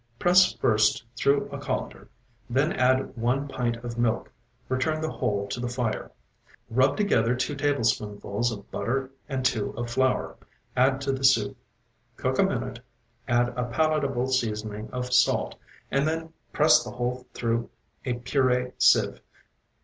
Press first through a colander; then add one pint of milk; return the whole to the fire. Rub together two tablespoonfuls of butter and two of flour; add to the soup; cook a minute; add a palatable seasoning of salt, and then press the whole through a purée sieve.